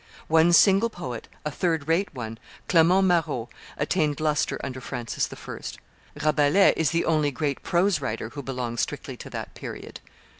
One single poet, a third rate one, Clement Marot, attained lustre under Francis I. Rabelais is the only great prose writer who belongs strictly to that period.